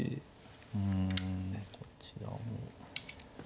うんこちらも。